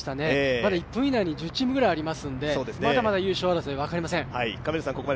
まだ１分以内に１０チームぐらいありますので、まだまだ優勝争い、分かりません。